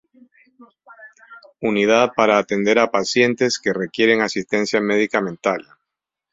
Unidad para atender a pacientes que requieren asistencia medica mental.